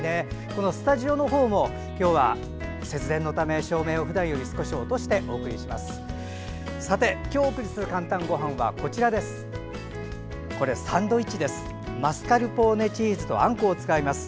このスタジオのほうも今日は節電のため照明をふだんより少し落としてお送りします。